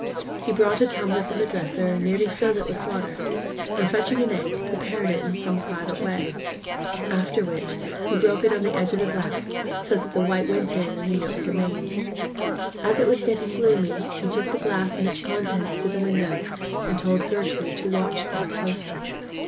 He brought a tumbler from the dresser, nearly filled it with water, and fetching an egg, prepared it in some private way; after which he broke it on the edge of the glass, so that the white went in and the yolk remained. As it was getting gloomy, he took the glass and its contents to the window, and told Gertrude to watch them closely.